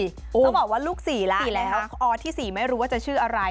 เขาบอกว่าลูก๔แล้ว๔แล้วอที่๔ไม่รู้ว่าจะชื่ออะไร